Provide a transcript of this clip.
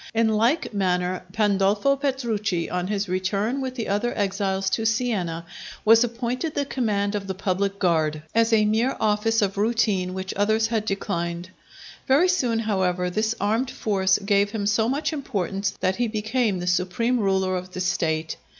In like manner Pandolfo Petrucci, on his return with the other exiles to Siena, was appointed the command of the public guard, as a mere office of routine which others had declined. Very soon, however, this armed force gave him so much importance that he became the supreme ruler of the State.